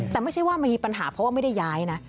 แต่ไม่ใช่ว่ามีปัญหาเพราะว่าไม่ได้ย้ายนะ